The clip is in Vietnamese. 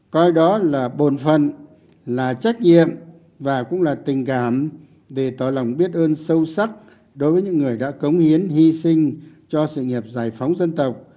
coi đó là bộn phận là trách nhiệm và cũng là tình cảm để tỏ lòng biết ơn sâu sắc đối với những người đã cống hiến hy sinh cho sự nghiệp giải phóng dân tộc